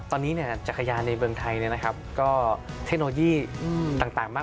คุณผู้ชมไม่เจนเลยค่ะถ้าลูกคุณออกมาได้มั้ยคะ